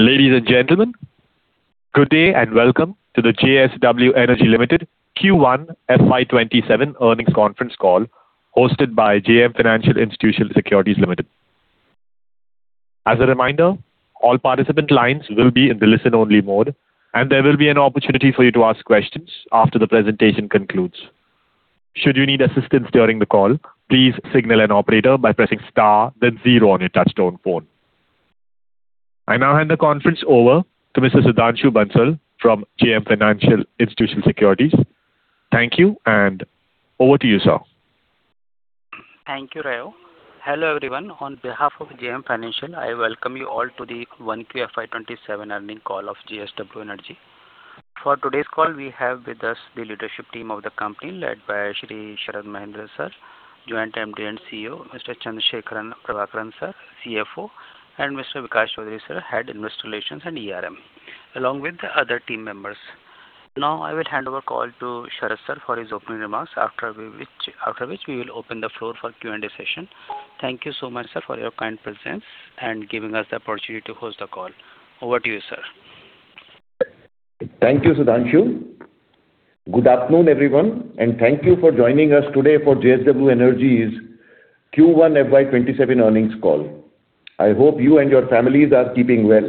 Ladies and gentlemen, good day and welcome to the JSW Energy Limited Q1 FY 2027 earnings conference call hosted by JM Financial Institutional Securities Limited. As a reminder, all participant lines will be in the listen-only mode. There will be an opportunity for you to ask questions after the presentation concludes. Should you need assistance during the call, please signal an operator by pressing star zero on your touchtone phone. I now hand the conference over to Mr. Sudhanshu Bansal from JM Financial Institutional Securities. Thank you, over to you, sir. Thank you, Ray. Hello everyone. On behalf of JM Financial, I welcome you all to the 1Q FY 2027 earnings call of JSW Energy. For today's call, we have with us the leadership team of the company led by Shri Sharad Mahendra sir, Joint Managing Director and Chief Executive Officer, Mr. Chandrasekaran Prabhakaran sir, Chief Financial Officer, Mr. Vikas Chaudhary sir, Head, Investor Relations and Enterprise Risk Management, along with the other team members. I will hand over call to Sharad sir for his opening remarks. After which we will open the floor for Q&A session. Thank you so much, sir, for your kind presence and giving us the opportunity to host the call. Over to you, sir. Thank you, Sudhanshu. Good afternoon, everyone. Thank you for joining us today for JSW Energy's Q1 FY 2027 earnings call. I hope you and your families are keeping well.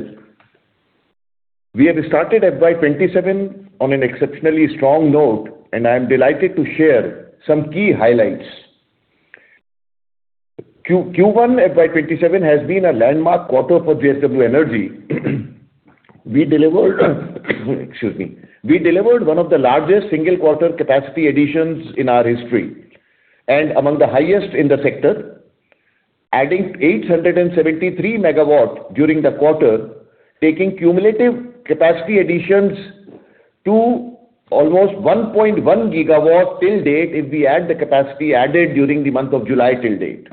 We have started FY 2027 on an exceptionally strong note. I am delighted to share some key highlights. Q1 FY 2027 has been a landmark quarter for JSW Energy. Excuse me. We delivered one of the largest single quarter capacity additions in our history among the highest in the sector, adding 873 MW during the quarter, taking cumulative capacity additions to almost 1.1 GW till date, if we add the capacity added during the month of July till date.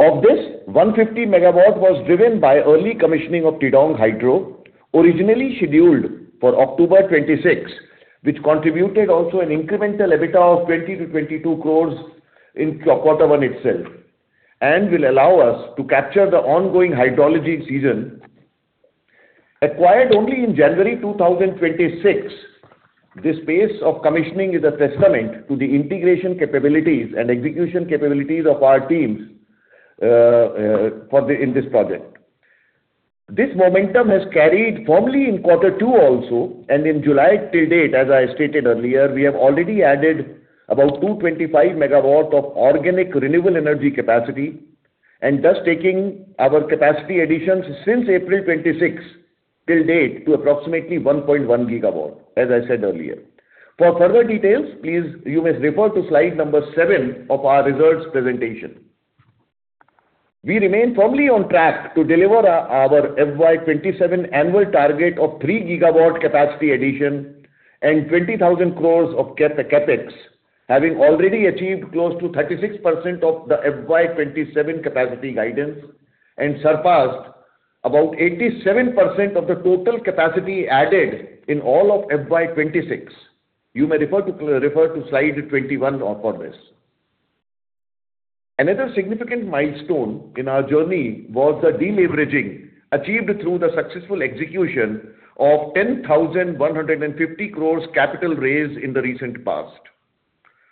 Of this, 150 MW was driven by early commissioning of Tidong Hydro, originally scheduled for October 2026, which contributed also an incremental EBITDA of 20 crore-22 crore in Q1 itself and will allow us to capture the ongoing hydrology season. Acquired only in January 2026, this pace of commissioning is a testament to the integration capabilities execution capabilities of our teams in this project. This momentum has carried firmly in Q2 also. In July till date, as I stated earlier, we have already added about 225 MW of organic renewable energy capacity thus taking our capacity additions since April 2026 till date to approximately 1.1 GW, as I said earlier. For further details, please you may refer to slide number seven of our results presentation. We remain firmly on track to deliver our FY 2027 annual target of 3 GW capacity addition 20,000 crore of CapEx, having already achieved close to 36% of the FY 2027 capacity guidance surpassed about 87% of the total capacity added in all of FY 2026. You may refer to slide 21 for this. Another significant milestone in our journey was the deleveraging achieved through the successful execution of 10,150 crore capital raise in the recent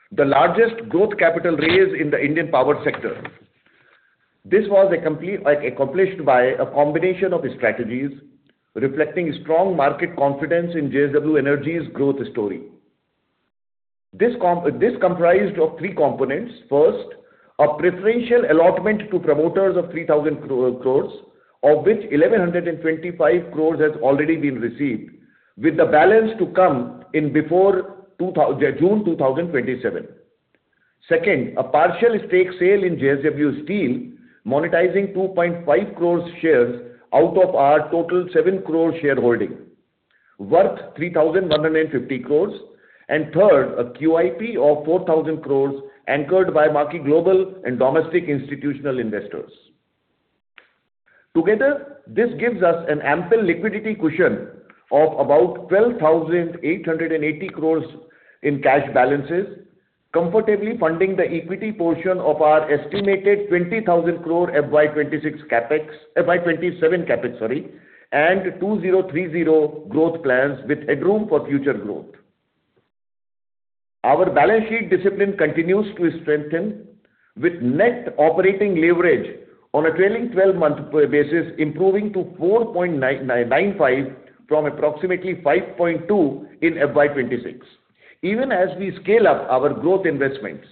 past, the largest growth capital raise in the Indian power sector. This was accomplished by a combination of strategies reflecting strong market confidence in JSW Energy's growth story. This comprised of three components. First, a preferential allotment to promoters of 3,000 crore, of which 1,125 crore has already been received, with the balance to come in before June 2027. Second, a partial stake sale in JSW Steel, monetizing 2.5 crore shares out of our total 7 crore shareholding, worth 3,150 crore. Third, a QIP of 4,000 crore anchored by marquee global and domestic institutional investors. Together, this gives us an ample liquidity cushion of about 12,880 crore in cash balances, comfortably funding the equity portion of our estimated 20,000 crore FY 2027 CapEx and 2030 growth plans with headroom for future growth. Our balance sheet discipline continues to strengthen with net operating leverage on a trailing 12-month basis improving to 4.95 from approximately 5.2 in FY 2026, even as we scale up our growth investments.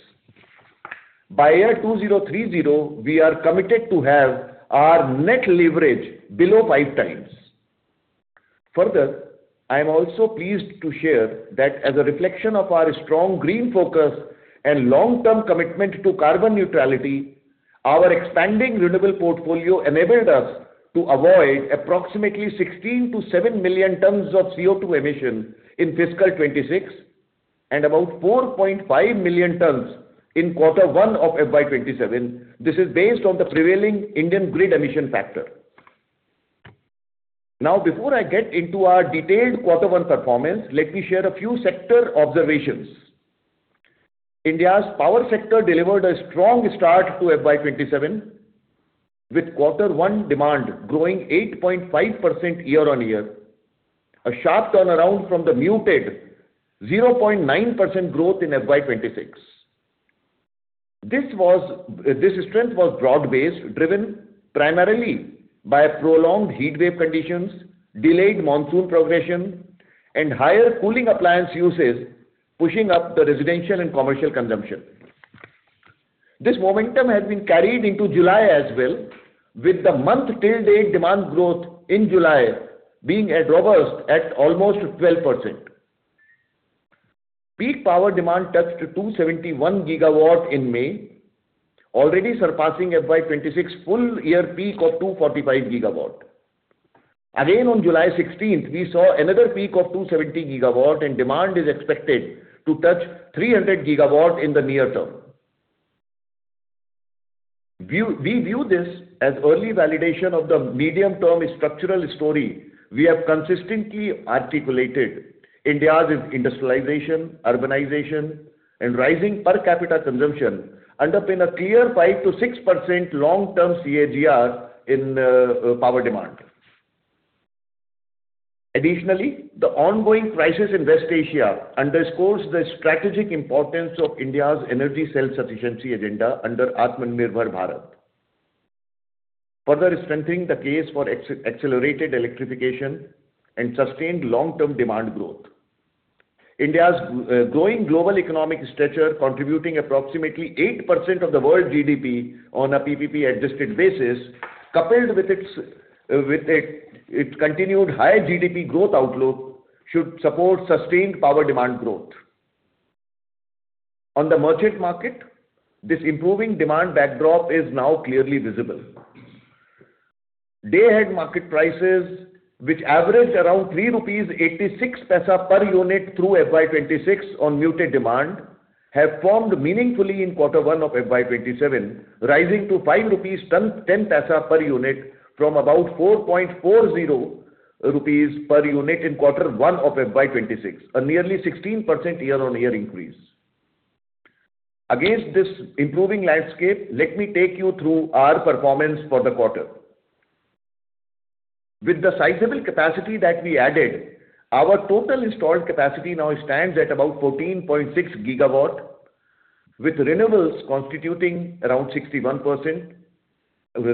By year 2030, we are committed to have our net leverage below five times. Further, I am also pleased to share that as a reflection of our strong green focus and long-term commitment to carbon neutrality, our expanding renewable portfolio enabled us to avoid approximately 16 million tons-17 million tons of CO2 emission in fiscal 2026 and about 4.5 million tons in Quarter One of FY 2027. This is based on the prevailing Indian grid emission factor. Now, before I get into our detailed Quarter One performance, let me share a few sector observations. India's power sector delivered a strong start to FY 2027, with Quarter One demand growing 8.5% year-on-year, a sharp turnaround from the muted 0.9% growth in FY 2026. This strength was broad-based, driven primarily by prolonged heatwave conditions, delayed monsoon progression, and higher cooling appliance usage pushing up the residential and commercial consumption. This momentum has been carried into July as well, with the month-to-date demand growth in July being robust at almost 12%. Peak power demand touched 271 GW in May, already surpassing FY 2026 full year peak of 245 GW. Again, on July 16th, we saw another peak of 270 GW, and demand is expected to touch 300 GW in the near term. We view this as early validation of the medium-term structural story we have consistently articulated. India's industrialization, urbanization, and rising per capita consumption underpin a clear 5%-6% long-term CAGR in power demand. Additionally, the ongoing crisis in West Asia underscores the strategic importance of India's energy self-sufficiency agenda under Atmanirbhar Bharat, further strengthening the case for accelerated electrification and sustained long-term demand growth. India's growing global economic stature, contributing approximately 8% of the world GDP on a PPP-adjusted basis, coupled with its continued high GDP growth outlook, should support sustained power demand growth. On the merchant market, this improving demand backdrop is now clearly visible. Day-ahead market prices, which averaged around 3.86 rupees per unit through FY 2026 on muted demand, have formed meaningfully in Quarter One of FY 2027, rising to 5.10 rupees per unit from about 4.40 rupees per unit in Quarter One of FY 2026, a nearly 16% year-on-year increase. Against this improving landscape, let me take you through our performance for the quarter. With the sizable capacity that we added, our total installed capacity now stands at about 14.6 GW, with renewables constituting around 61%,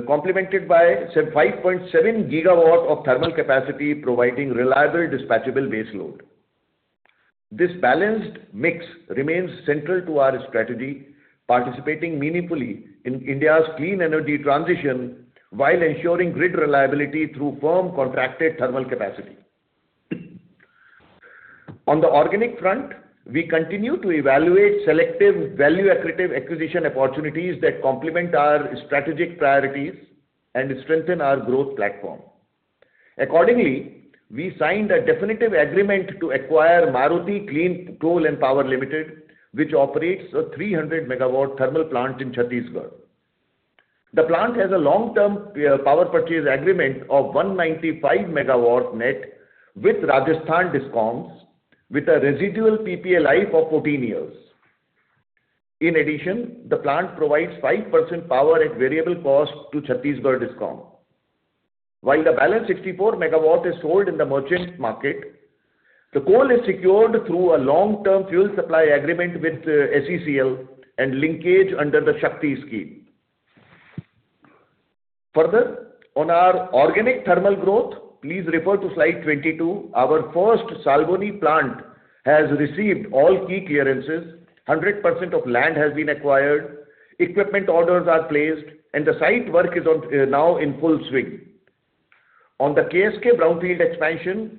complemented by 5.7 GW of thermal capacity providing reliable dispatchable baseload. This balanced mix remains central to our strategy, participating meaningfully in India's clean energy transition while ensuring grid reliability through firm contracted thermal capacity. On the organic front, we continue to evaluate selective value accretive acquisition opportunities that complement our strategic priorities and strengthen our growth platform. Accordingly, we signed a definitive agreement to acquire Maruti Clean Coal & Power Limited, which operates a 300 MW thermal plant in Chhattisgarh. The plant has a long-term power purchase agreement of 195 MW net with Rajasthan DISCOMs, with a residual PPA life of 14 years. In addition, the plant provides 5% power at variable cost to Chhattisgarh DISCOM. While the balance 64 MW is sold in the merchant market, the coal is secured through a long-term fuel supply agreement with SECL and linkage under the SHAKTI Scheme. Further, on our organic thermal growth, please refer to Slide 22. Our first Salboni plant has received all key clearances. 100% of land has been acquired, equipment orders are placed, and the site work is now in full swing. On the KSK brownfield expansion,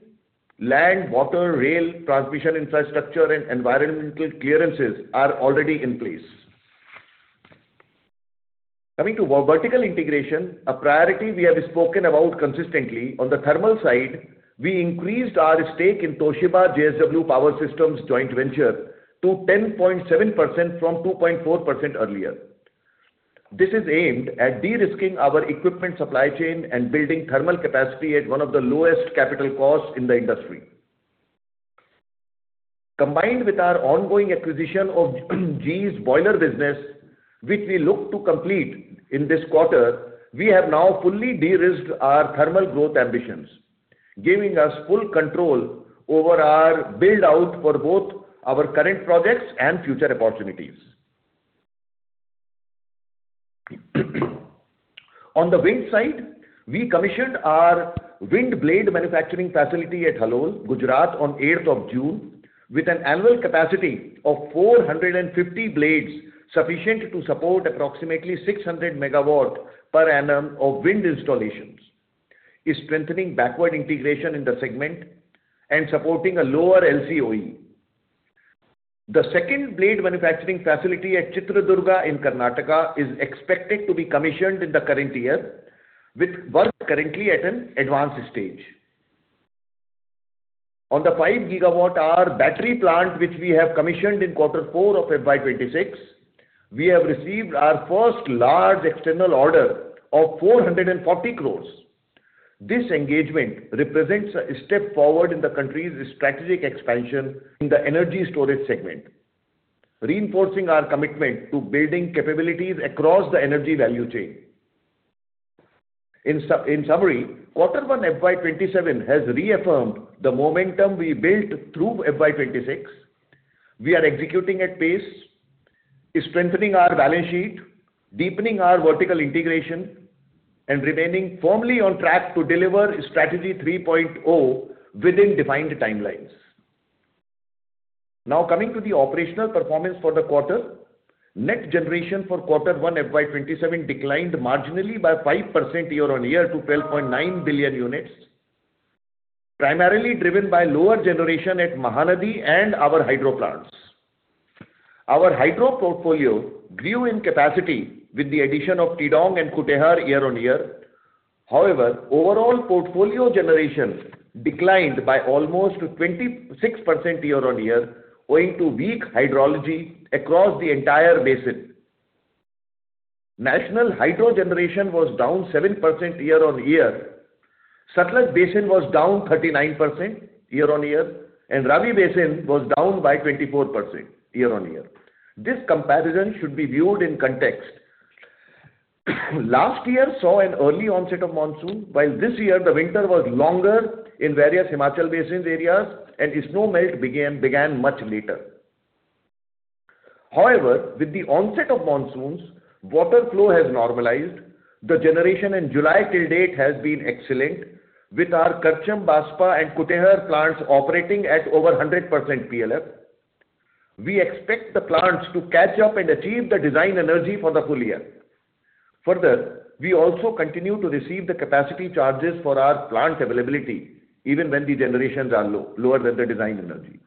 land, water, rail, transmission infrastructure, and environmental clearances are already in place. Coming to vertical integration, a priority we have spoken about consistently. On the thermal side, we increased our stake in Toshiba JSW Power Systems joint venture to 10.7% from 2.4% earlier. This is aimed at de-risking our equipment supply chain and building thermal capacity at one of the lowest capital costs in the industry. Combined with our ongoing acquisition of GE's boiler business, which we look to complete in this quarter, we have now fully de-risked our thermal growth ambitions, giving us full control over our build-out for both our current projects and future opportunities. On the wind side, we commissioned our wind blade manufacturing facility at Halol, Gujarat on eighth of June with an annual capacity of 450 blades sufficient to support approximately 600 MW per annum of wind installations, is strengthening backward integration in the segment and supporting a lower LCOE. The second blade manufacturing facility at Chitradurga in Karnataka is expected to be commissioned in the current year, with work currently at an advanced stage. On the 5 GWh battery plant, which we have commissioned in Quarter Four of FY 2026, we have received our first large external order of 440 crore. This engagement represents a step forward in the country's strategic expansion in the energy storage segment, reinforcing our commitment to building capabilities across the energy value chain. In summary, Quarter One FY 2027 has reaffirmed the momentum we built through FY 2026. We are executing at pace, strengthening our balance sheet, deepening our vertical integration, and remaining firmly on track to deliver Strategy 3.0 within defined timelines. Coming to the operational performance for the quarter. Net generation for Quarter One FY 2027 declined marginally by 5% year-on-year to 12.9 billion units, primarily driven by lower generation at Mahanadi and our hydro plants. Our hydro portfolio grew in capacity with the addition of Tidong and Kutehr year-on-year. However, overall portfolio generation declined by almost 26% year-on-year, owing to weak hydrology across the entire basin. National hydro generation was down 7% year-on-year, Sutlej basin was down 39% year-on-year, Ravi basin was down by 24% year-on-year. This comparison should be viewed in context. Last year saw an early onset of monsoon, while this year the winter was longer in various Himachal basin areas and snow melt began much later. However, with the onset of monsoons, water flow has normalized. The generation in July till date has been excellent, with our Karcham, Baspa and Kutehr plants operating at over 100% PLF. We expect the plants to catch up and achieve the design energy for the full year. Further, we also continue to receive the capacity charges for our plant availability even when the generations are lower than the design energy.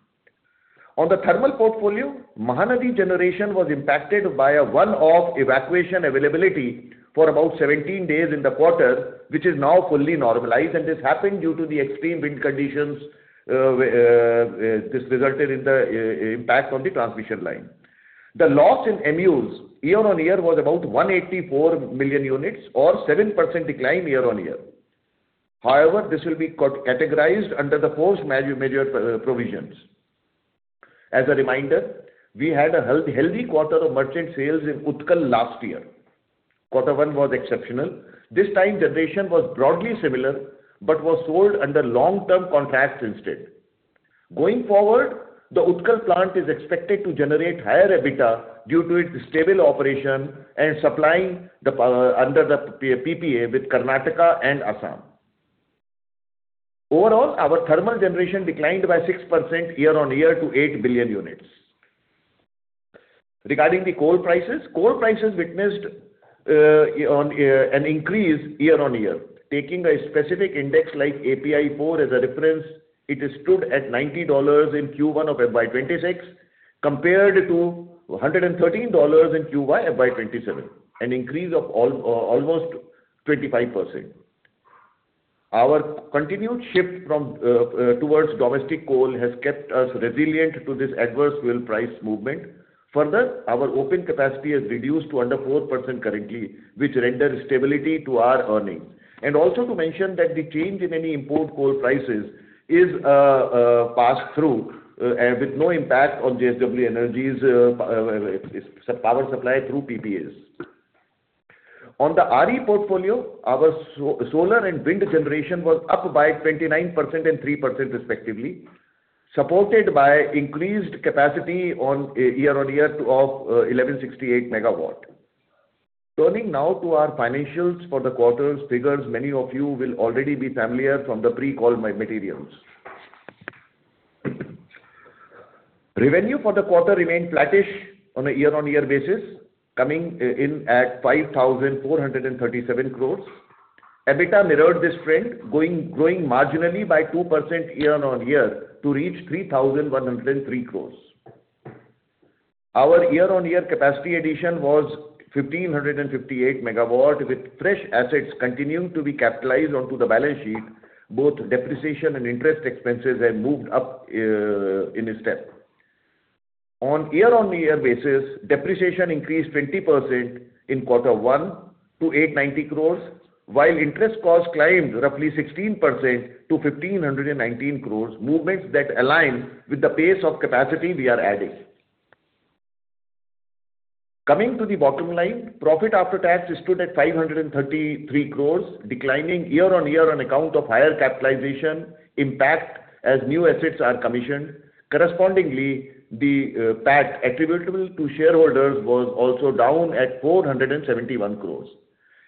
On the thermal portfolio, Mahanadi generation was impacted by a one-off evacuation availability for about 17 days in the quarter, which is now fully normalized. This happened due to the extreme wind conditions, this resulted in the impact on the transmission line. The loss in MUs year-on-year was about 184 million units or 7% decline year-on-year. However, this will be categorized under the force majeure provisions. As a reminder, we had a healthy quarter of merchant sales in Utkal last year. Quarter One was exceptional. This time generation was broadly similar but was sold under long-term contracts instead. Going forward, the Utkal plant is expected to generate higher EBITDA due to its stable operation and supplying under the PPA with Karnataka and Assam. Overall, our thermal generation declined by 6% year-on-year to 8 billion units. Regarding the coal prices, coal prices witnessed an increase year-on-year. Taking a specific index like API4 as a reference, it stood at $90 in Q1 of FY 2026, compared to $113 in Q1 FY 2027, an increase of almost 25%. Our continued shift towards domestic coal has kept us resilient to this adverse fuel price movement. Further, our open capacity has reduced to under 4% currently, which renders stability to our earnings. Also to mention that the change in any import coal prices is passed through with no impact on JSW Energy's power supply through PPAs. On the RE portfolio, our solar and wind generation was up by 29% and 3% respectively, supported by increased capacity year-on-year of 1,168 MW. Turning now to our financials for the quarter's figures many of you will already be familiar from the pre-call materials. Revenue for the quarter remained flattish on a year-on-year basis, coming in at 5,437 crores. EBITDA mirrored this trend, growing marginally by 2% year-on-year to reach 3,103 crores. Our year-on-year capacity addition was 1,558 MW, with fresh assets continuing to be capitalized onto the balance sheet. Both depreciation and interest expenses have moved up in a step. On year-on-year basis, depreciation increased 20% in Quarter One to 890 crores, while interest costs climbed roughly 16% to 1,519 crores, movements that align with the pace of capacity we are adding. Coming to the bottom line, profit after tax stood at 533 crores, declining year-on-year on account of higher capitalization impact as new assets are commissioned. Correspondingly, the PAT attributable to shareholders was also down at 471 crores.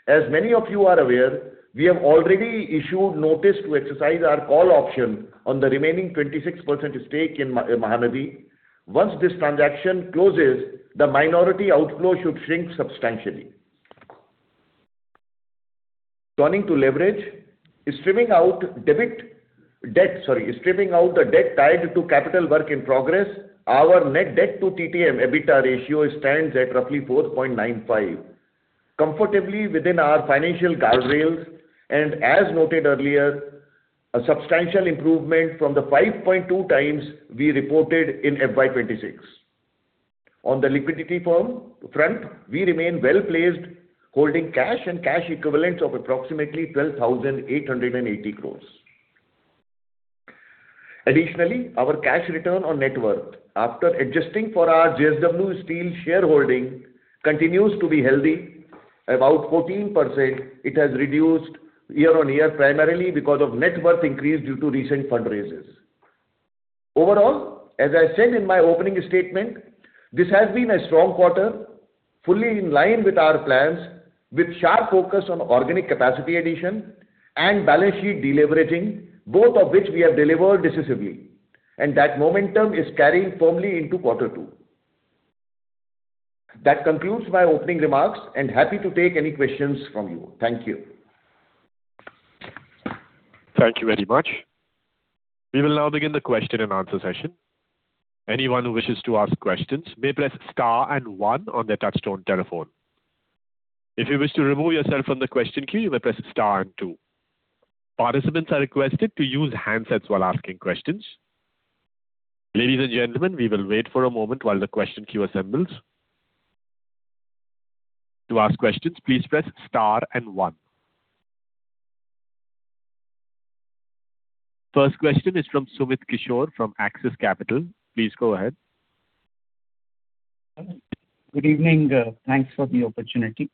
As many of you are aware, we have already issued notice to exercise our call option on the remaining 26% stake in Mahanadi. Once this transaction closes, the minority outflow should shrink substantially. Turning to leverage. Stripping out debit. Sorry. Stripping out the debt tied to capital work in progress, our net debt to TTM EBITDA ratio stands at roughly 4.95, comfortably within our financial guardrails and, as noted earlier, a substantial improvement from the 5.2x we reported in FY 2026. On the liquidity front, we remain well-placed, holding cash and cash equivalents of approximately 12,880 crore. Additionally, our cash return on net worth after adjusting for our JSW Steel shareholding continues to be healthy, about 14%. It has reduced year-over-year primarily because of net worth increase due to recent fund raises. Overall, as I said in my opening statement, this has been a strong quarter, fully in line with our plans, with sharp focus on organic capacity addition and balance sheet deleveraging, both of which we have delivered decisively, and that momentum is carrying firmly into Quarter Two. That concludes my opening remarks. Happy to take any questions from you. Thank you. Thank you very much. We will now begin the question and answer session. Anyone who wishes to ask questions may press star and one on their touchtone telephone. If you wish to remove yourself from the question queue, you may press star and two. Participants are requested to use handsets while asking questions. Ladies and gentlemen, we will wait for a moment while the question queue assembles. To ask questions, please press star and one. First question is from Sumit Kishore from Axis Capital. Please go ahead. Good evening. Thanks for the opportunity.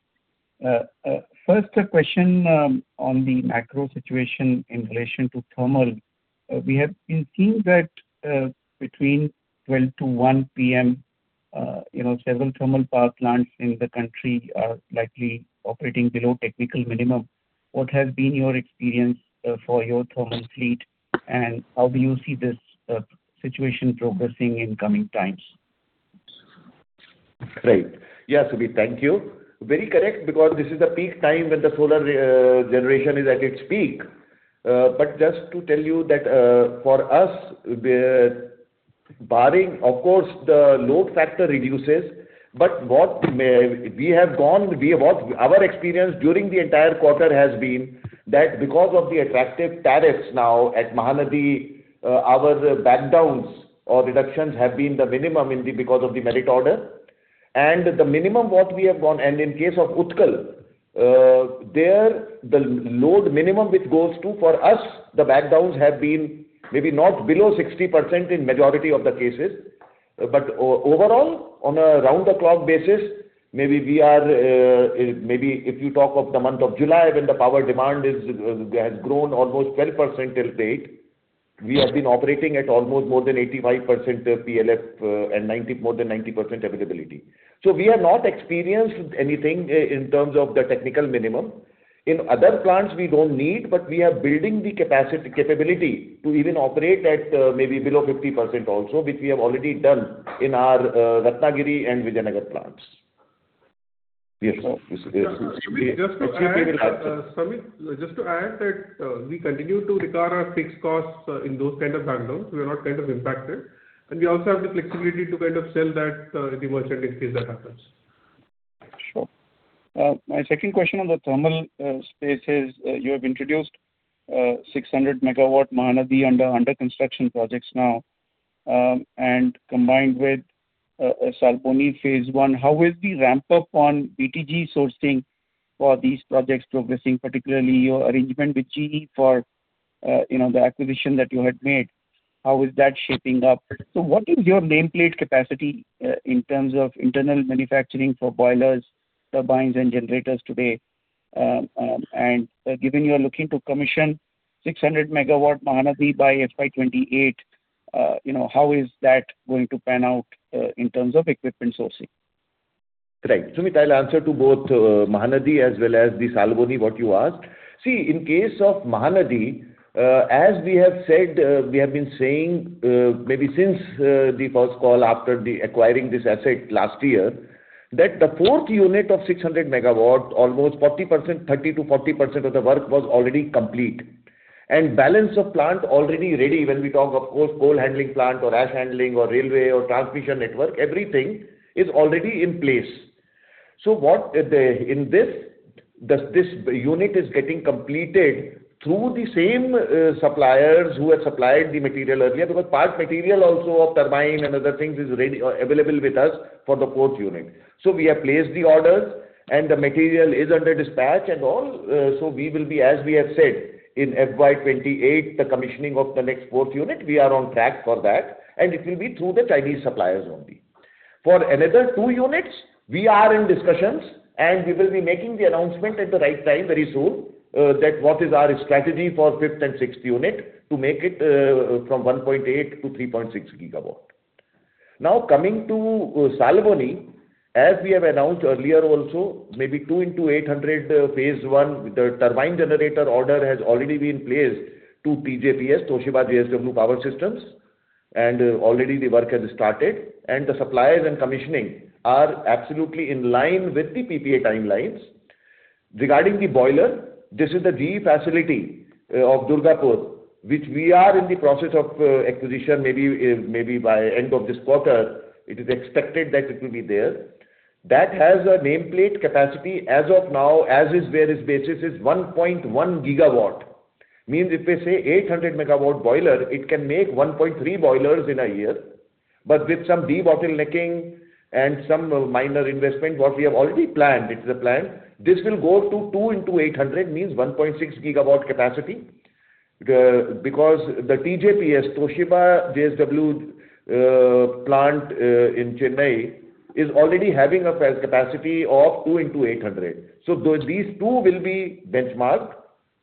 First question on the macro situation in relation to thermal. We have been seeing that between 12:00 P.M. to 1:00 P.M., several thermal power plants in the country are likely operating below technical minimum. What has been your experience for your thermal fleet? How do you see this situation progressing in coming times? Sumit, thank you. Very correct because this is the peak time when the solar generation is at its peak. Just to tell you that for us, barring, of course, the load factor reduces, but our experience during the entire quarter has been that because of the attractive tariffs now at Mahanadi, our backdowns or reductions have been the minimum because of the merit order. The minimum what we have gone, and in case of Utkal, there the load minimum it goes to, for us, the backdowns have been maybe not below 60% in majority of the cases. Overall, on a round-the-clock basis, maybe if you talk of the month of July when the power demand has grown almost 12% till date, we have been operating at almost more than 85% PLF and more than 90% availability. We have not experienced anything in terms of the technical minimum. In other plants we don't need, but we are building the capability to even operate at maybe below 50% also, which we have already done in our Ratnagiri and Vijayanagar plants. Sumit, just to add that we continue to recover our fixed costs in those kind of backdowns. We are not impacted. We also have the flexibility to sell that in the merchant in case that happens. Sure. My second question on the thermal space is, you have introduced 600 MW Mahanadi under construction projects now, combined with Salboni phase one, how is the ramp-up on BTG sourcing for these projects progressing, particularly your arrangement with GE for the acquisition that you had made? How is that shaping up? What is your nameplate capacity in terms of internal manufacturing for boilers, turbines, and generators today? Given you are looking to commission 600 MW Mahanadi by FY 2028, how is that going to pan out in terms of equipment sourcing? Right. Sumit, I'll answer to both Mahanadi as well as the Salboni, what you asked. In case of Mahanadi, as we have been saying, maybe since the first call after acquiring this asset last year, that the fourth unit of 600 MW, almost 30%-40% of the work was already complete, and balance of plant already ready. When we talk of course, coal handling plant or ash handling or railway or transmission network, everything is already in place. This unit is getting completed through the same suppliers who had supplied the material earlier because part material also of turbine and other things is available with us for the fourth unit. We have placed the orders and the material is under dispatch and all. We will be, as we have said, in FY 2028, the commissioning of the next fourth unit, we are on track for that, and it will be through the Chinese suppliers only. For another two units, we are in discussions, and we will be making the announcement at the right time very soon that what is our strategy for fifth and sixth unit to make it from 1.8 GW-3.6 GW. Coming to Salboni, as we have announced earlier also, maybe 2 x 800 Phase 1 with the turbine generator order has already been placed to TJPS, Toshiba JSW Power Systems, and already the work has started and the suppliers and commissioning are absolutely in line with the PPA timelines. Regarding the boiler, this is the GE facility of Durgapur, which we are in the process of acquisition, maybe by end of this quarter, it is expected that it will be there. That has a nameplate capacity as of now, as is where is basis, is 1.1 GW. Means if we say 800 MW boiler, it can make 1.3 boilers in a year, but with some debottlenecking and some minor investment, what we have already planned, it's the plan, this will go to 2 x 800 MW, means 1.6 GW capacity. Because the TJPS, Toshiba JSW Power Systems plant in Chennai is already having a capacity of 2 x 800 MW. These two will be benchmarked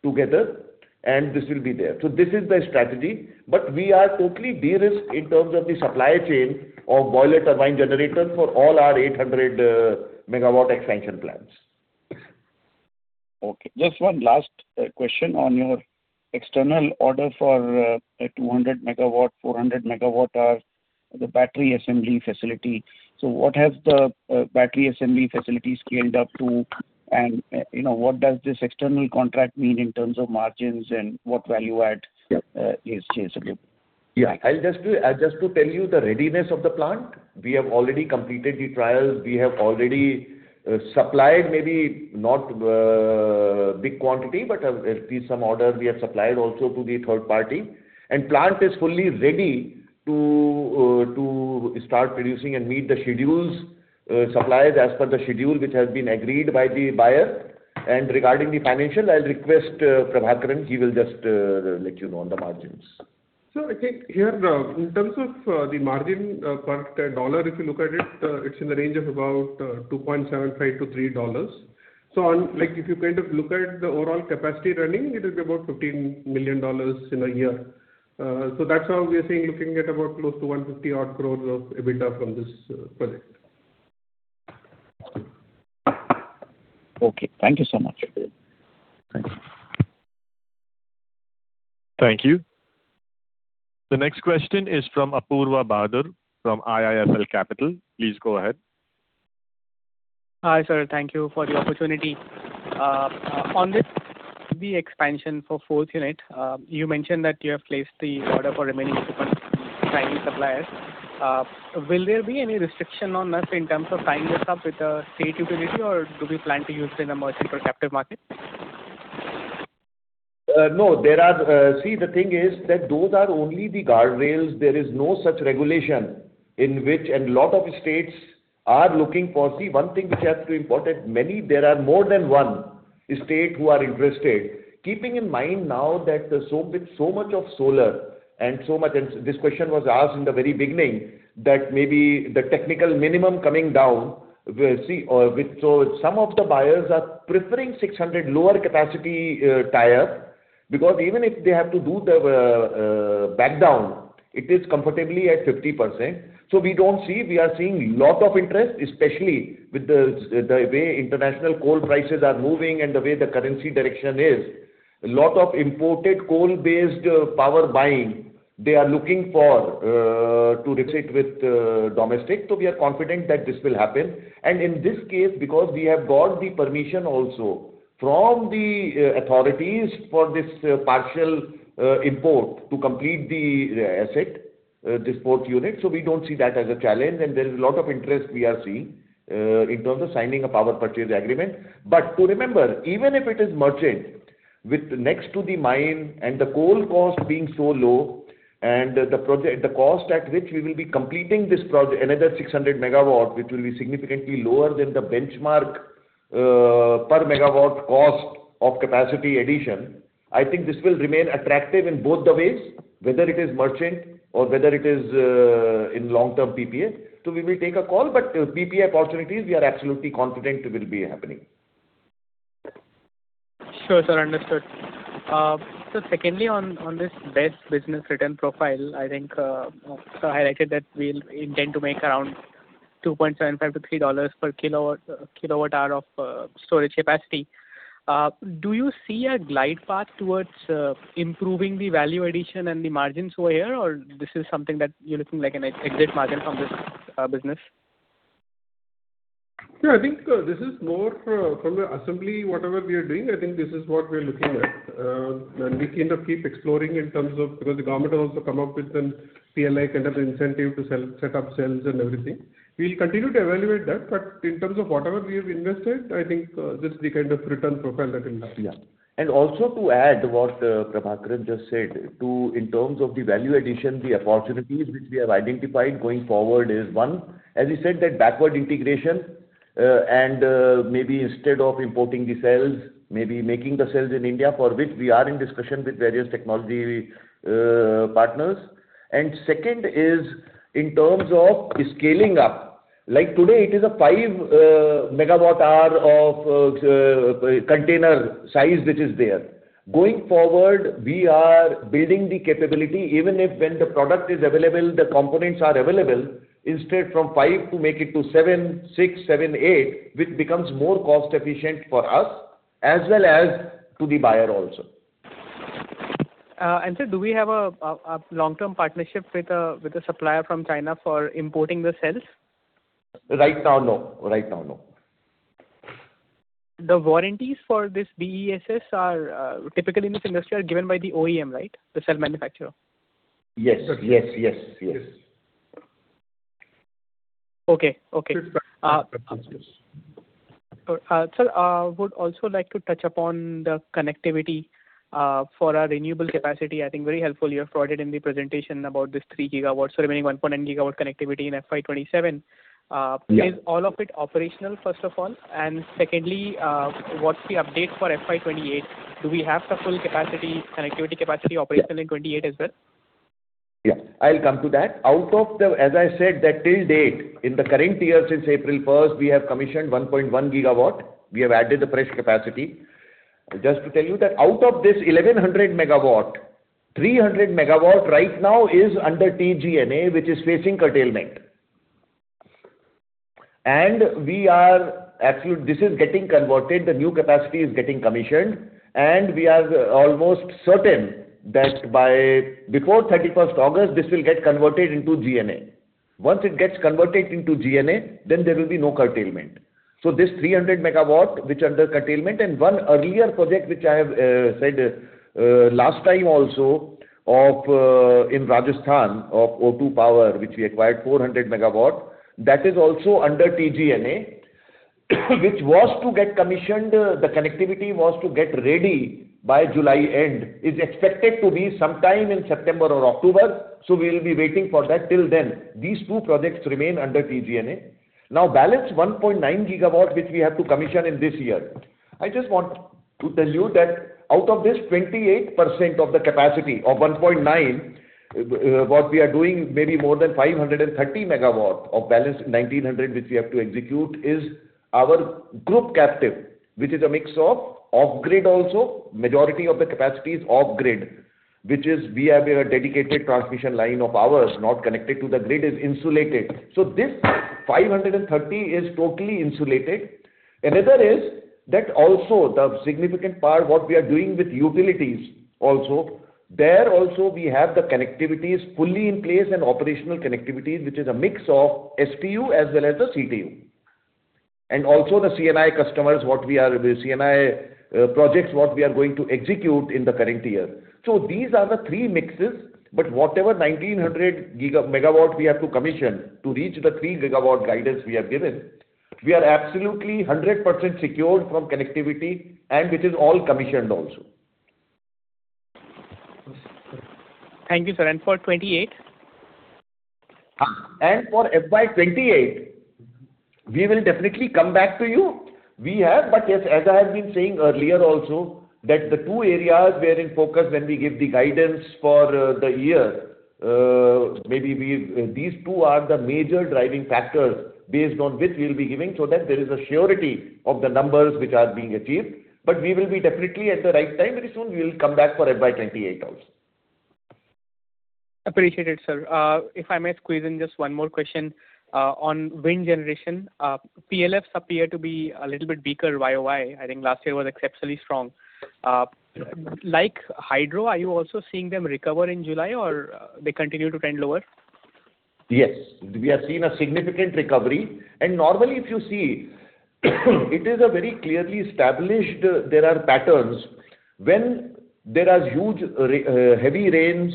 together, and this will be there. This is the strategy. We are totally de-risked in terms of the supply chain of boiler turbine generators for all our 800 MW expansion plans. Okay. Just one last question on your external order for a 200 MW, 400 MWh, the battery assembly facility. What has the battery assembly facility scaled up to? What does this external contract mean in terms of margins and what value add is changeable? Yeah. Just to tell you the readiness of the plant, we have already completed the trials. We have already supplied, maybe not big quantity, but at least some order we have supplied also to the third party. Plant is fully ready to start producing and meet the schedules, supplies as per the schedule, which has been agreed by the buyer. Regarding the financial, I'll request Prabhakaran, he will just let you know on the margins. Sir, I think here in terms of the margin per dollar, if you look at it's in the range of about $2.75-$3. If you look at the overall capacity running, it will be about $15 million in a year. That's how we are looking at about close to 150 odd crores of EBITDA from this project. Okay. Thank you so much. Thank you. Thank you. The next question is from Apoorva Bahadur from IIFL Capital. Please go ahead. Hi, sir. Thank you for the opportunity. On this, the expansion for fourth unit, you mentioned that you have placed the order for remaining equipment from Chinese suppliers. Will there be any restriction on that in terms of tying this up with a state utility? Do we plan to use it in a merchant or captive market? No. See, the thing is that those are only the guardrails. There is no such regulation in which. Lot of states are looking for. One thing which has to important, there are more than one state who are interested. Keeping in mind now that with so much of solar and so much. This question was asked in the very beginning that maybe the technical minimum coming down. Some of the buyers are preferring 600 MW lower capacity tier, because even if they have to do the backdown, it is comfortably at 50%. We are seeing lot of interest, especially with the way international coal prices are moving and the way the currency direction is, lot of imported coal-based power buying, they are looking for to mix it with domestic. We are confident that this will happen. In this case, because we have got the permission also from the authorities for this partial import to complete the asset, this fourth unit. We don't see that as a challenge. There is lot of interest we are seeing in terms of signing a power purchase agreement. To remember, even if it is merchant with next to the mine and the coal cost being so low and the cost at which we will be completing this project, another 600 MW, which will be significantly lower than the benchmark per megawatt cost of capacity addition, I think this will remain attractive in both the ways, whether it is merchant or whether it is in long-term PPA. We will take a call, but PPA opportunities, we are absolutely confident it will be happening. Sure, sir. Understood. Secondly, on this BESS business return profile, I think, sir highlighted that we intend to make around $2.75-$3 per kWh of storage capacity. Do you see a glide path towards improving the value addition and the margins over here, or this is something that you are looking like an exit margin from this business? Yeah, I think this is more from the assembly, whatever we are doing, I think this is what we are looking at. We kind of keep exploring in terms of, because the government has also come up with some PLI kind of incentive to set up cells and everything. We will continue to evaluate that. In terms of whatever we have invested, I think this is the kind of return profile that will last. Yeah. Also to add what Prabhakaran just said, in terms of the value addition, the opportunities which we have identified going forward is one, as you said, that backward integration, and maybe instead of importing the cells, maybe making the cells in India for which we are in discussion with various technology partners. Second is in terms of scaling up. Like today, it is a five megawatt hour of container size which is there. Going forward, we are building the capability even if when the product is available, the components are available, instead from five to make it to six, seven, eight, which becomes more cost efficient for us as well as to the buyer also. Sir, do we have a long-term partnership with a supplier from China for importing the cells? Right now, no. The warranties for this BESS are typically in this industry are given by the OEM, right? The cell manufacturer. Yes. Okay. Sir, I would also like to touch upon the connectivity for our renewable capacity. I think very helpful you have provided in the presentation about this 3 GW remaining 1.9 GW connectivity in FY 2027. Yeah. Is all of it operational, first of all? Secondly, what's the update for FY 2028? Do we have the full connectivity capacity operational in 2028 as well? I'll come to that. As I said, that till date, in the current year since April 1st, we have commissioned 1.1 GW. We have added the fresh capacity. Just to tell you that out of this 1,100 MW, 300 MW right now is under TGNA, which is facing curtailment. This is getting converted, the new capacity is getting commissioned, and we are almost certain that before 31st August, this will get converted into GNA. Once it gets converted into GNA, there will be no curtailment. This 300 MW, which under curtailment, and one earlier project which I have said last time also in Rajasthan of O2 Power, which we acquired 400 MW, that is also under TGNA, which the connectivity was to get ready by July-end, is expected to be sometime in September or October. We'll be waiting for that till then. These two projects remain under TGNA. Balance 1.9 GW, which we have to commission in this year. I just want to tell you that out of this 28% of the capacity of 1.9 GW, what we are doing may be more than 530 MW of balance 1,900 MW, which we have to execute, is our group captive, which is a mix of off-grid also. Majority of the capacity is off-grid, which is we have a dedicated transmission line of ours, not connected to the grid, is insulated. This 530 MW is totally insulated. Another is that also the significant part, what we are doing with utilities also. There also, we have the connectivities fully in place and operational connectivities, which is a mix of STU as well as the CTU. Also the C&I projects what we are going to execute in the current year. These are the three mixes, whatever 1,900 MW we have to commission to reach the 3 GW guidance we have given, we are absolutely 100% secured from connectivity, and which is all commissioned also. Thank you, sir. For 2028? For FY 2028, we will definitely come back to you. As I have been saying earlier also, that the two areas were in focus when we give the guidance for the year. Maybe these two are the major driving factors based on which we will be giving so that there is a surety of the numbers which are being achieved. We will be definitely at the right time. Very soon, we will come back for FY 2028 also. Appreciate it, sir. If I may squeeze in just one more question on wind generation. PLFs appear to be a little bit weaker year-over-year. I think last year was exceptionally strong. Like hydro, are you also seeing them recover in July or they continue to trend lower? Yes. We are seeing a significant recovery. Normally, if you see, it is a very clearly established there are patterns. When there are huge heavy rains,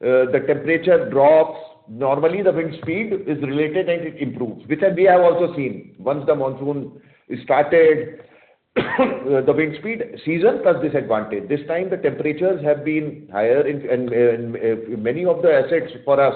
the temperature drops. Normally, the wind speed is related and it improves, which we have also seen. Once the monsoon started, the wind speed season does disadvantage. This time, the temperatures have been higher, and many of the assets for us,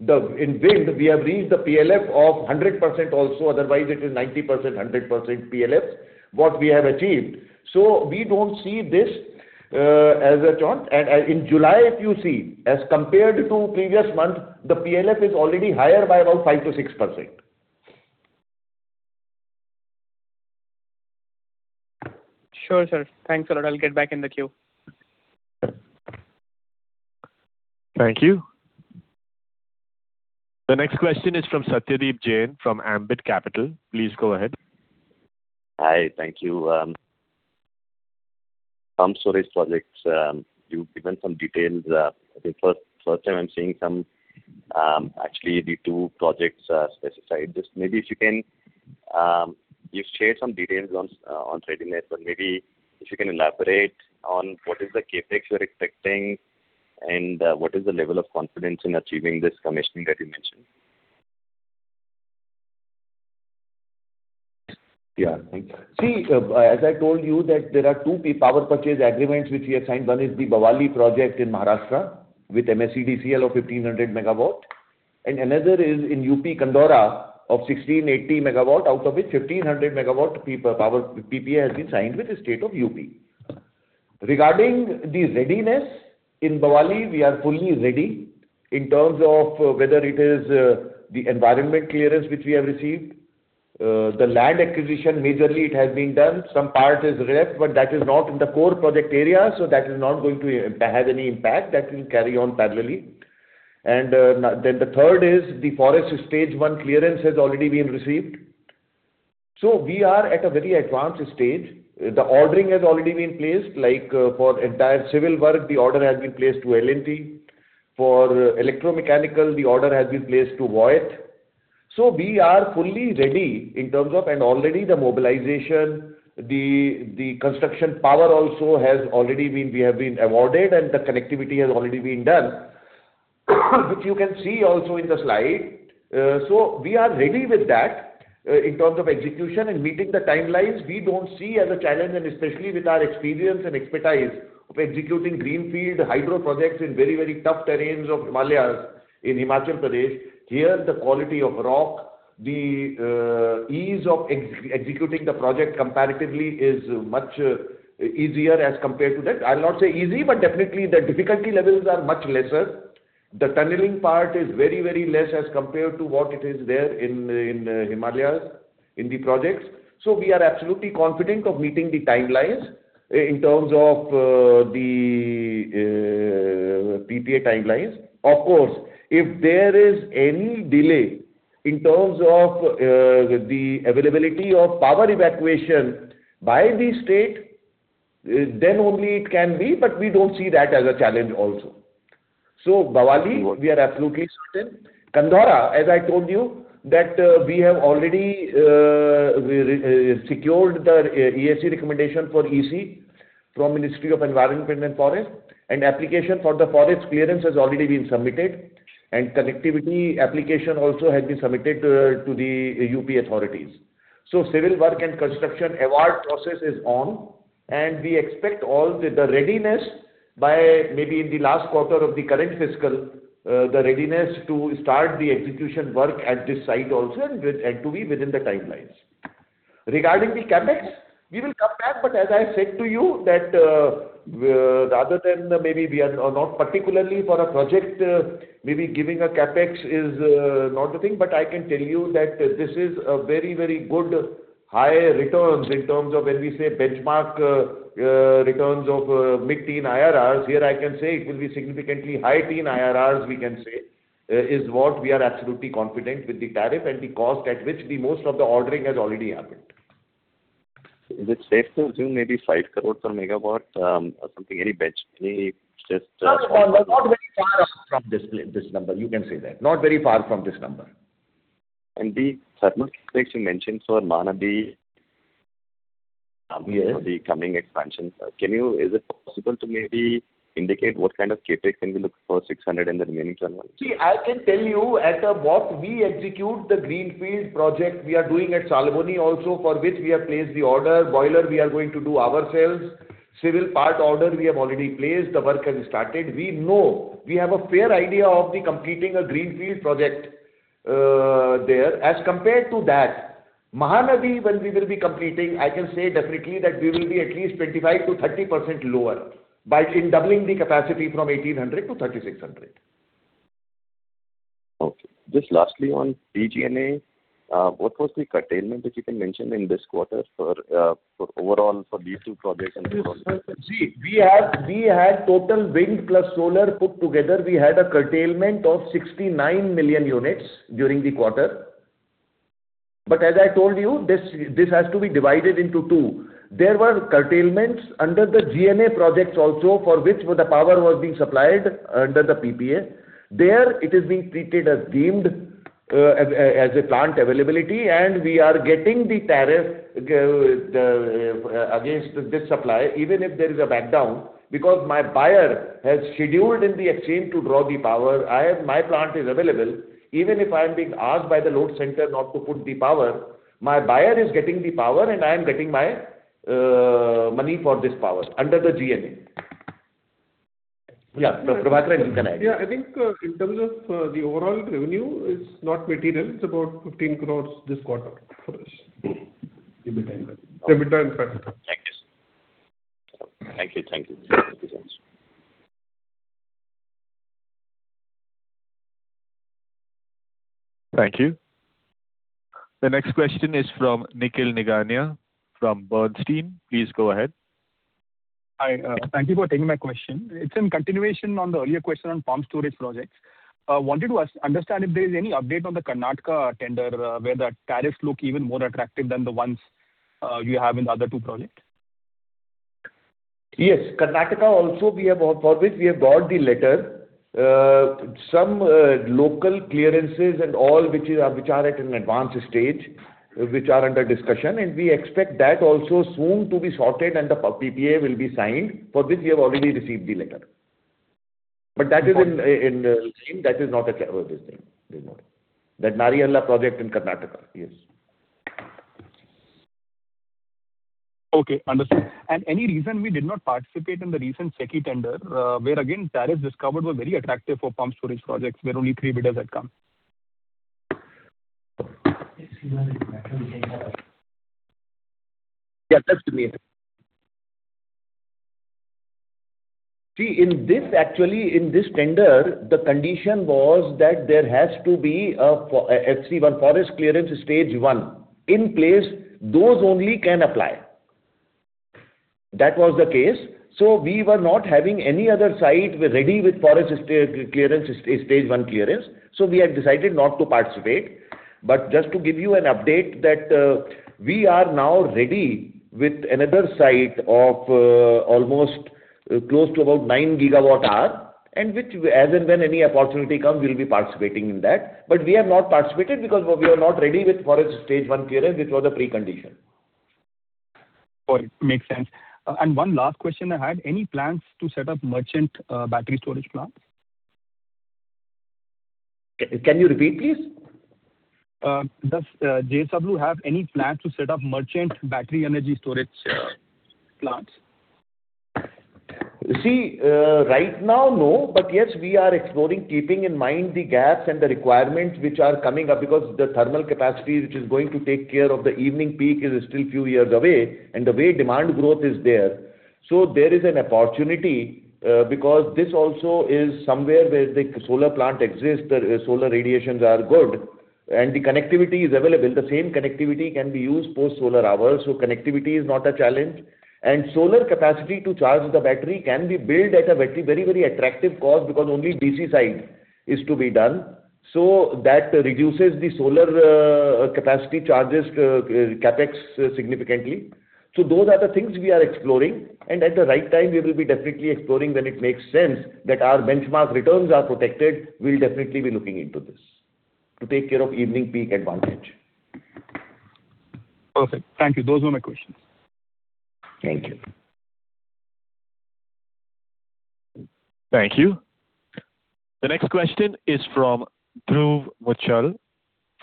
in wind, we have reached the PLF of 100% also. Otherwise, it is 90%-100% PLFs, what we have achieved. We don't see this as a chart. In July, if you see, as compared to previous months, the PLF is already higher by around 5%-6%. Sure, sir. Thanks a lot. I'll get back in the queue. Thank you. The next question is from Satyadeep Jain from Ambit Capital. Please go ahead. Hi. Thank you. Pump storage projects, you've given some details. I think first time I'm seeing actually the two projects specified. Just maybe if you can share some details on readiness, or maybe if you can elaborate on what is the CapEx you're expecting and what is the level of confidence in achieving this commissioning that you mentioned. Thanks. As I told you that there are two power purchase agreements which we have signed. One is the Bhavali project in Maharashtra with MSEDCL of 1,500 MW, and another is in U.P. Kandhaura of 1,680 MW, out of which 1,500 MW PPA has been signed with the State of U.P. Regarding the readiness, in Bhavali, we are fully ready in terms of whether it is the environmental clearance which we have received. The land acquisition, majorly it has been done. Some part is left, but that is not in the core project area, that is not going to have any impact. That will carry on parallelly. The third is the forest Stage 1 clearance has already been received. We are at a very advanced stage. The ordering has already been placed, like for entire civil work, the order has been placed to L&T. For electromechanical, the order has been placed to Voith. We are fully ready. The mobilization, the construction power also we have been awarded, and the connectivity has already been done. Which you can see also in the slide. We are ready with that in terms of execution and meeting the timelines, we don't see as a challenge, and especially with our experience and expertise of executing greenfield hydro projects in very, very tough terrains of Himalayas in Himachal Pradesh. Here, the quality of rock, the ease of executing the project comparatively is much easier as compared to that. I'll not say easy, but definitely the difficulty levels are much lesser. The tunneling part is very, very less as compared to what it is there in the Himalayas in the projects. We are absolutely confident of meeting the timelines in terms of the PPA timelines. Of course, if there is any delay in terms of the availability of power evacuation by the state, then only it can be, but we don't see that as a challenge also. Bhavali, we are absolutely certain. Kandhaura, as I told you, that we have already secured the EAC recommendation for EC from Ministry of Environment, Forest and Climate Change. An application for the forest clearance has already been submitted, and connectivity application also has been submitted to the UP authorities. Civil work and construction award process is on, and we expect all the readiness by maybe in the last quarter of the current fiscal, the readiness to start the execution work at this site also and to be within the timelines. Regarding the CapEx, we will come back, but as I said to you, that rather than maybe we are not particularly for a project, maybe giving a CapEx is not a thing, but I can tell you that this is a very, very good high returns in terms of when we say benchmark returns of mid-teen IRRs. Here I can say it will be significantly high teen IRRs, we can say, is what we are absolutely confident with the tariff and the cost at which the most of the ordering has already happened. Is it safe to assume maybe 5 crore per megawatt, something any bench, any just. No, not very far from this number, you can say that. Not very far from this number. The thermal CapEx you mentioned for Mahanadi? Yes For the coming expansion. Is it possible to maybe indicate what kind of CapEx can we look for 600 and the remaining thermal? I can tell you as of what we execute the greenfield project we are doing at Salboni also for which we have placed the order. Boiler, we are going to do ourselves. Civil part order we have already placed. The work has started. We know, we have a fair idea of the completing a greenfield project there. As compared to that, Mahanadi, when we will be completing, I can say definitely that we will be at least 25%-30% lower by doubling the capacity from 1,800 to 3,600. Okay. Just lastly on TGNA, what was the curtailment that you can mention in this quarter for overall for these two projects. We had total wind plus solar put together, we had a curtailment of 69 million units during the quarter. As I told you, this has to be divided into two. There were curtailments under the GNA projects also for which the power was being supplied under the PPA. There, it is being treated as deemed as a plant availability, and we are getting the tariff against this supply, even if there is a backdown. Because my buyer has scheduled in the exchange to draw the power. My plant is available. Even if I am being asked by the load center not to put the power, my buyer is getting the power and I am getting my money for this power under the GNA. Prabhakaran, you can add. I think in terms of the overall revenue, it's not material. It's about 15 crores this quarter for us. EBITDA impact. EBITDA impact. Thank you, sir. Thank you. Thank you. The next question is from Nikhil Nigania from Bernstein. Please go ahead. Hi. Thank you for taking my question. It's in continuation on the earlier question on pump storage projects. Wanted to understand if there is any update on the Karnataka tender, where the tariffs look even more attractive than the ones you have in the other two projects. Yes, Karnataka also, for which we have got the letter. Some local clearances and all which are at an advanced stage, which are under discussion, and we expect that also soon to be sorted and the PPA will be signed. For this, we have already received the letter. That is in lane. That is not a clear road this time. They are not. That Neriamangalam project in Karnataka. Yes. Okay, understood. Any reason we did not participate in the recent SECI tender, where again, tariffs discovered were very attractive for pump storage projects where only three bidders had come? Yeah, that is clear. See, actually in this tender, the condition was that there has to be a FC1, forest clearance Stage 1. In place, those only can apply. That was the case. We were not having any other site ready with forest Stage 1 clearance, so we had decided not to participate. Just to give you an update that we are now ready with another site of almost close to about 9 GWh, and which as and when any opportunity comes, we will be participating in that. We have not participated because we are not ready with forest Stage 1 clearance, which was a precondition. Got it. Makes sense. One last question I had. Any plans to set up merchant battery storage plants? Can you repeat, please? Does JSW have any plan to set up merchant battery energy storage plants? See, right now, no. Yes, we are exploring, keeping in mind the gaps and the requirements which are coming up because the thermal capacity which is going to take care of the evening peak is still few years away, and the way demand growth is there. There is an opportunity because this also is somewhere where the solar plant exists, the solar radiations are good, and the connectivity is available. The same connectivity can be used for solar hours. Connectivity is not a challenge. And solar capacity to charge the battery can be built at a very attractive cost because only DC side is to be done. That reduces the solar capacity charges, CapEx significantly. Those are the things we are exploring, and at the right time we will be definitely exploring when it makes sense that our benchmark returns are protected, we will definitely be looking into this to take care of evening peak advantage. Perfect. Thank you. Those were my questions. Thank you. Thank you. The next question is from Dhruv Muchhal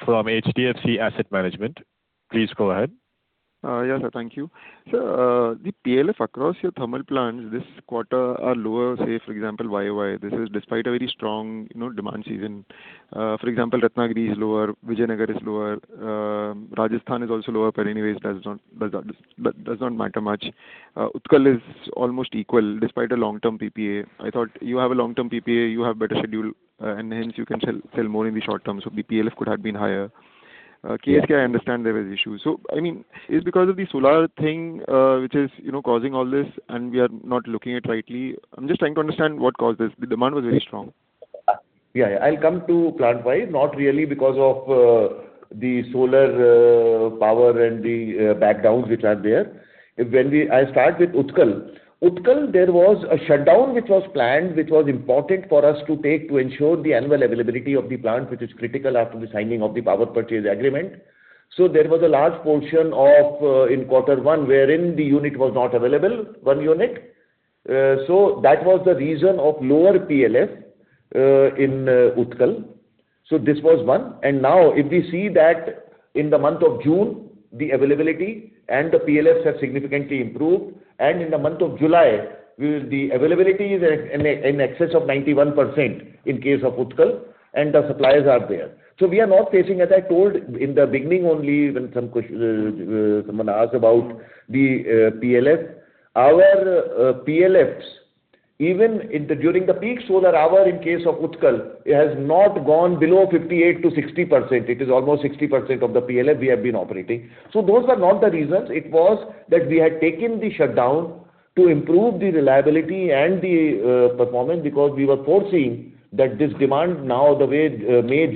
from HDFC Asset Management. Please go ahead. Yes, sir. Thank you. Sir, the PLF across your thermal plants this quarter are lower, say for example, YoY. This is despite a very strong demand season. For example, Ratnagiri is lower, Vijayanagar is lower, Rajasthan is also lower, but anyway does not matter much. Utkal is almost equal despite a long-term PPA. I thought you have a long-term PPA, you have better schedule, and hence you can sell more in the short term. The PLF could have been higher. KSK, I understand there was issue. Is it because of the solar thing which is causing all this, and we are not looking at rightly? I'm just trying to understand what caused this. The demand was very strong. Yeah. I'll come to plant-wide, not really because of the solar power and the backdowns which are there. I'll start with Utkal. Utkal, there was a shutdown which was planned, which was important for us to take to ensure the annual availability of the plant, which is critical after the signing of the power purchase agreement. There was a large portion in Quarter One wherein the unit was not available, one unit. That was the reason of lower PLF in Utkal. This was one. Now if we see that in the month of June, the availability and the PLFs have significantly improved, and in the month of July, the availability is in excess of 91% in case of Utkal, and the supplies are there. We are not facing, as I told in the beginning only when someone asked about the PLF. Our PLFs, even during the peak solar hour in case of Utkal, it has not gone below 58%-60%. It is almost 60% of the PLF we have been operating. Those were not the reasons. It was that we had taken the shutdown to improve the reliability and the performance because we were foreseeing that this demand now the way May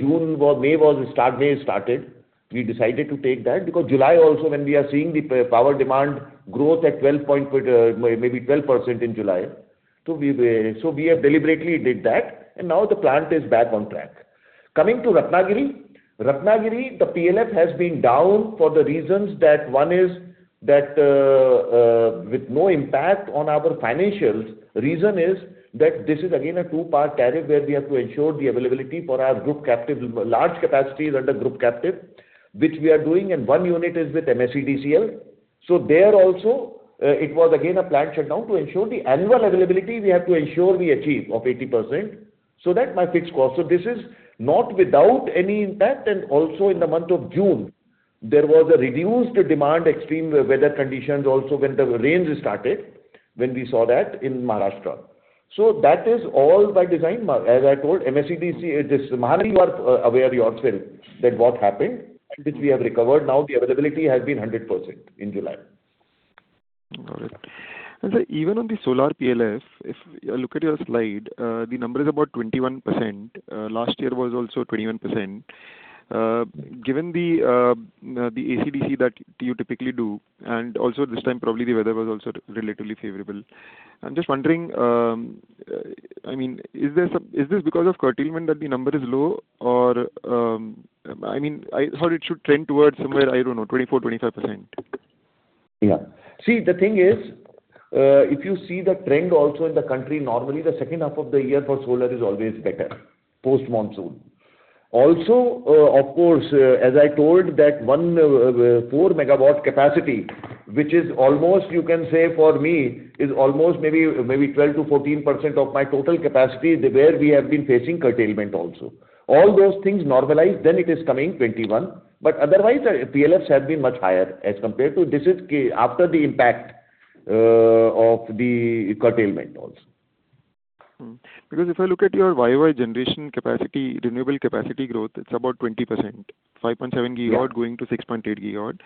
started, we decided to take that because July also when we are seeing the power demand growth at maybe 12% in July. We deliberately did that, and now the plant is back on track. Coming to Ratnagiri. Ratnagiri, the PLF has been down for the reasons that one is that with no impact on our financials. Reason is that this is again a two-part tariff where we have to ensure the availability for our group captive. Large capacity is under group captive, which we are doing, and one unit is with MSEDCL. There also, it was again a plant shutdown to ensure the annual availability we have to ensure we achieve of 80%. That my fixed cost. This is not without any impact and also in the month of June, there was a reduced demand, extreme weather conditions also when the rains started when we saw that in Maharashtra. That is all by design. As I told, MSEDCL, Mahanadi you are aware yourself that what happened and which we have recovered now the availability has been 100% in July. All right. Even on the solar PLF, if you look at your slide, the number is about 21%. Last year was also 21%. Given the AC/DC that you typically do, and also this time probably the weather was also relatively favorable. I'm just wondering, is this because of curtailment that the number is low or I thought it should trend towards somewhere, I don't know, 24%-25%? Yeah. See, the thing is, if you see the trend also in the country normally, the second half of the year for solar is always better post-monsoon. Also, of course, as I told that 1,400 MW capacity, which is almost you can say for me is almost maybe 12%-14% of my total capacity where we have been facing curtailment also. All those things normalize, it is coming 21%. Otherwise, PLFs have been much higher as compared to. This is after the impact of the curtailment also. If I look at your year-over-year generation capacity, renewable capacity growth, it's about 20%, 5.7 GW going to 6.8 GW.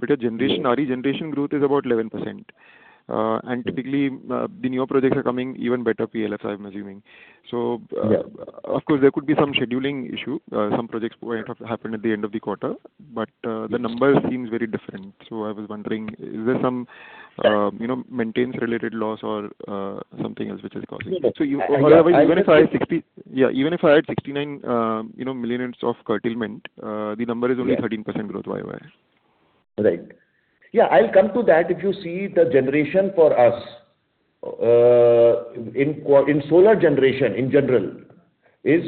Your generation growth is about 11%. Typically, the newer projects are coming even better PLF, I'm assuming. Yeah. Of course, there could be some scheduling issue. Some projects happened at the end of the quarter, the number seems very different. I was wondering, is there some maintenance related loss or something else which is causing it. Even if I had 69 MUs of curtailment, the number is only 13% growth year-over-year. Right. Yeah, I'll come to that. If you see the generation for us, in solar generation in general, is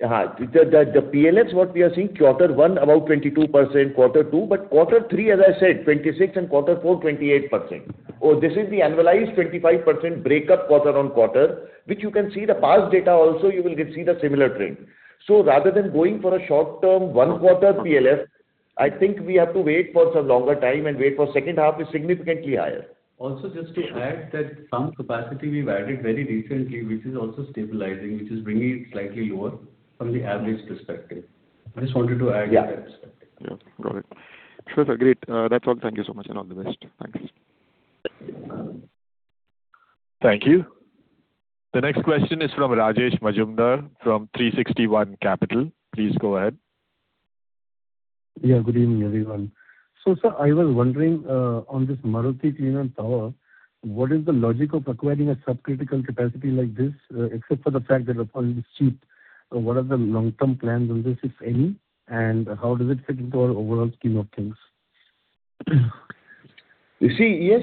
the PLFs what we are seeing Quarter One about 22%, Quarter Two, Quarter Three, as I said, 26% and Quarter Four, 28%. This is the annualized 25% breakup quarter-over-quarter, which you can see the past data also, you will see the similar trend. Rather than going for a short-term one-quarter PLF, I think we have to wait for some longer time and wait for second half is significantly higher. Also, just to add that some capacity we've added very recently, which is also stabilizing, which is bringing it slightly lower from the average perspective. I just wanted to add that perspective. Yeah. Got it. Sure, sir. Great. That's all. Thank you so much, and all the best. Thanks. Thank you. The next question is from Rajesh Majumdar from 360 ONE Capital. Please go ahead. Good evening, everyone. Sir, I was wondering on this Maruti Clean Power, what is the logic of acquiring a sub-critical capacity like this, except for the fact that apparently it's cheap? What are the long-term plans on this, if any, and how does it fit into our overall scheme of things? You see, yes,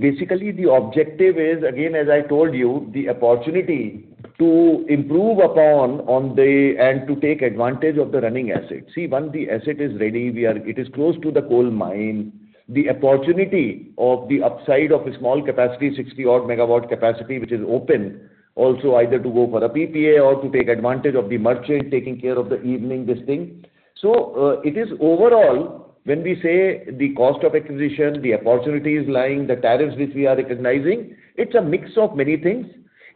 basically the objective is, again, as I told you, the opportunity to improve upon and to take advantage of the running asset. See, once the asset is ready, it is close to the coal mine. The opportunity of the upside of a small capacity, 60-odd MW capacity, which is open, also either to go for a PPA or to take advantage of the merchant taking care of the evening, this thing. It is overall, when we say the cost of acquisition, the opportunity is lying, the tariffs which we are recognizing, it's a mix of many things.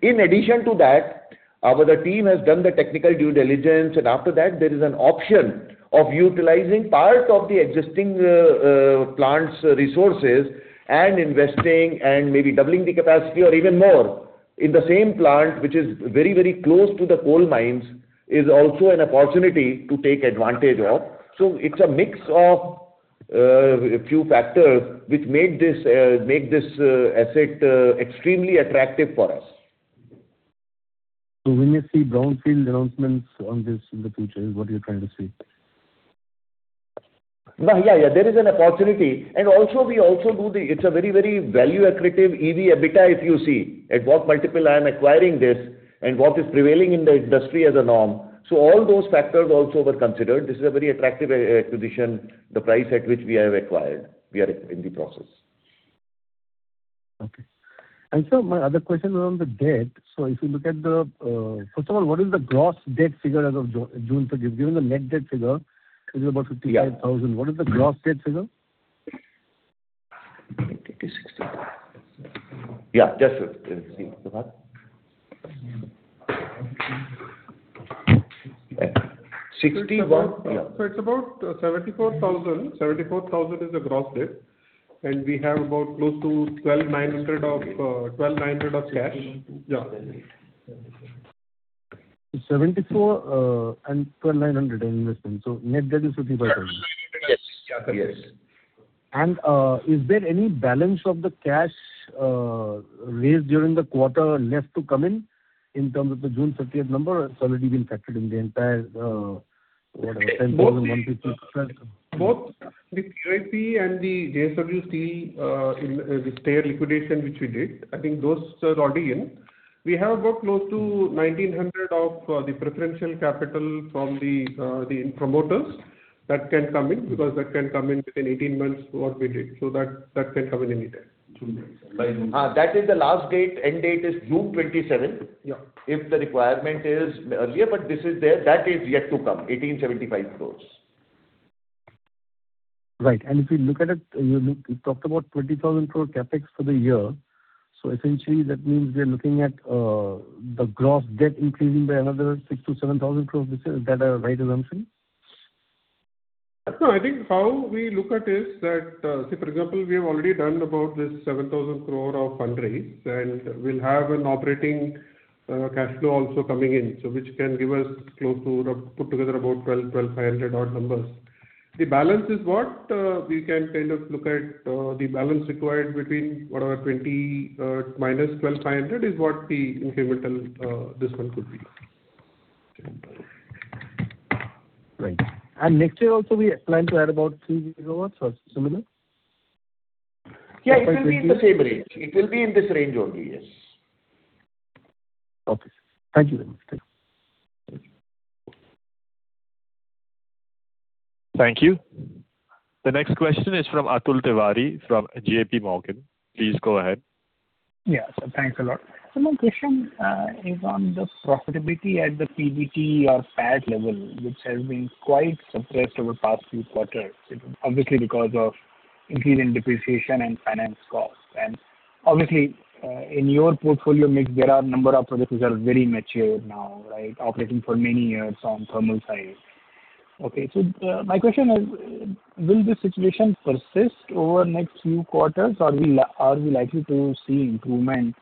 In addition to that, our team has done the technical due diligence, and after that, there is an option of utilizing part of the existing plant's resources and investing and maybe doubling the capacity or even more in the same plant, which is very close to the coal mines, is also an opportunity to take advantage of. It's a mix of a few factors which make this asset extremely attractive for us. When you see brownfield announcements on this in the future, is what you're trying to say? Yeah. There is an opportunity, and also we also do. It's a very value accretive EBITDA, if you see. At what multiple I'm acquiring this and what is prevailing in the industry as a norm. All those factors also were considered. This is a very attractive acquisition, the price at which we have acquired. We are in the process. Sir, my other question was on the debt. First of all, what is the gross debt figure as of June 30th? You've given the net debt figure, which is about 55,000. What is the gross debt figure? Yes, sir. Let's see. Subhash? It's about INR 74,000. 74,000 is the gross debt, and we have about close to [12,900] of cash. 74 and [12,900], I understand. Net debt is 55,000. Yes. Is there any balance of the cash raised during the quarter left to come in terms of the June 30th number, or it's already been factored in the entire, what, 10,156? Both the QIP and the JSWC, the share liquidation which we did, I think those are already in. We have about close to 1,900 of the preferential capital from the promoters that can come in, because that can come in within 18 months what we did. That can come in any time. That is the last date. End date is June 27. Yeah. If the requirement is earlier, this is there, that is yet to come, 1,875 crores. Right. If you look at it, you talked about 20,000 crore CapEx for the year. Essentially, that means we are looking at the gross debt increasing by another 6,000 crore-7,000 crore. Is that a right assumption? No, I think how we look at is that, for example, we have already done about this 7,000 crore of fundraise, and we'll have an operating cash flow also coming in. Which can give us close to put together about 12,500 odd numbers. The balance is what we can kind of look at the balance required between whatever 20 minus 12,500 is what the incremental this one could be. Right. Next year also we plan to add about 3 GW or similar? Yeah, it will be in the same range. It will be in this range only. Yes. Okay, sir. Thank you very much. Thank you. Thank you. The next question is from Atul Tiwari from JPMorgan. Please go ahead. Yeah. Thanks a lot. My question is on the profitability at the PBT or PAT level, which has been quite suppressed over the past few quarters, obviously because of increase in depreciation and finance cost. Obviously, in your portfolio mix, there are a number of projects which are very mature now. Operating for many years on thermal side. My question is, will this situation persist over the next few quarters? Or are we likely to see improvement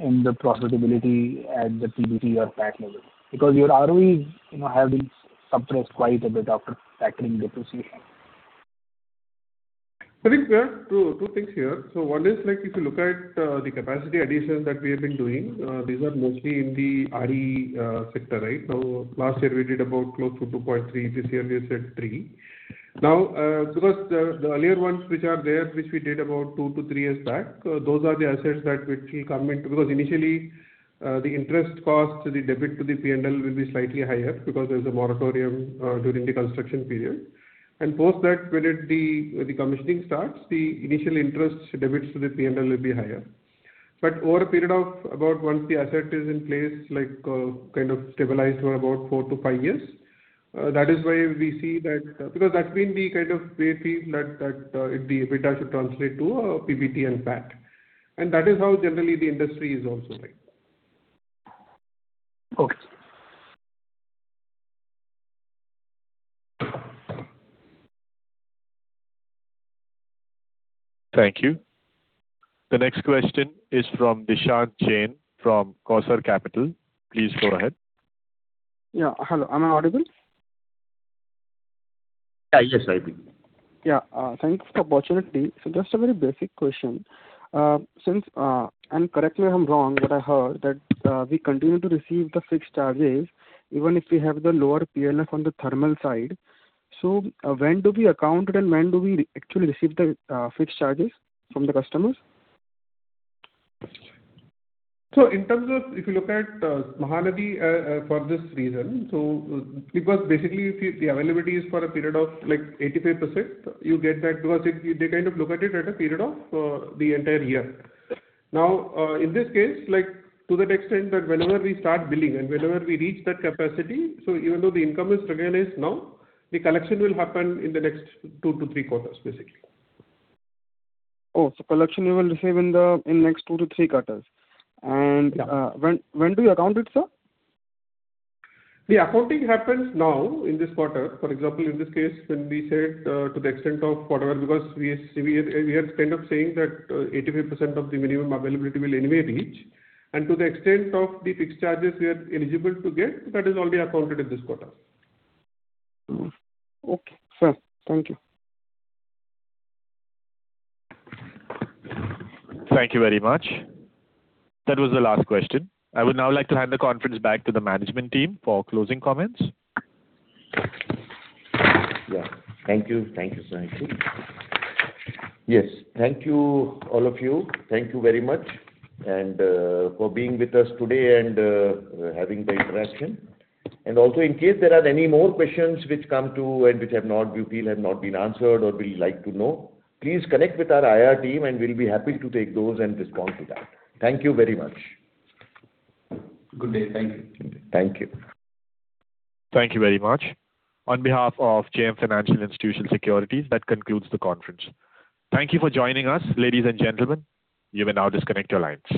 in the profitability at the PBT or PAT level. Because your ROE has been suppressed quite a bit after factoring depreciation. I think there are two things here. One is, if you look at the capacity additions that we have been doing, these are mostly in the RE sector, right? Now, last year we did about close to 2.3. This year we have said 3. Now, because the earlier ones which are there, which we did about two to three years back, those are the assets that which will come in. Because initially, the interest cost, the debit to the P&L will be slightly higher because there's a moratorium during the construction period. Post that, when the commissioning starts, the initial interest debits to the P&L will be higher. Over a period of about, once the asset is in place, kind of stabilized for about four to five years. That's been the kind of way we feel that the EBITDA should translate to PBT and PAT. That is how generally the industry is also like. Okay. Thank you. The next question is from Dishant Jain from Quasar Capital. Please go ahead. Yeah. Hello, am I audible? Yes, I hear you. Yeah. Thanks for the opportunity. Just a very basic question. Since, and correct me if I'm wrong, but I heard that we continue to receive the fixed charges even if we have the lower PLF on the thermal side. When do we account it, and when do we actually receive the fixed charges from the customers? In terms of, if you look at Mahanadi for this reason. Because basically, if the availability is for a period of 85%, you get that because they look at it at a period of the entire year. In this case, to that extent that whenever we start billing and whenever we reach that capacity, even though the income is recognized now, the collection will happen in the next two to three quarters, basically. Collection you will receive in the next two to three quarters. Yeah. When do you account it, sir? The accounting happens now in this quarter. For example, in this case, when we said to the extent of whatever, because we are kind of saying that 85% of the minimum availability we'll anyway reach. To the extent of the fixed charges we are eligible to get, that is already accounted in this quarter. Okay, sir. Thank you. Thank you very much. That was the last question. I would now like to hand the conference back to the management team for closing comments. Thank you, Sahil. Thank you, all of you. Thank you very much for being with us today and having the interaction. Also, in case there are any more questions which come to and which you feel have not been answered or would like to know, please connect with our IR team, and we'll be happy to take those and respond to that. Thank you very much. Good day. Thank you. Thank you. Thank you very much. On behalf of JM Financial Institutional Securities, that concludes the conference. Thank you for joining us, ladies and gentlemen. You may now disconnect your lines.